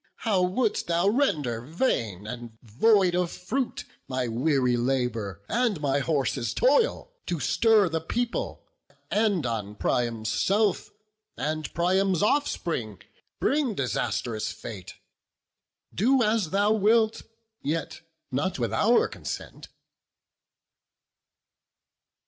How wouldst thou render vain, and void of fruit, My weary labour and my horses' toil, To stir the people, and on Priam's self, And Priam's offspring, bring disastrous fate? Do as thou wilt! yet not with our consent."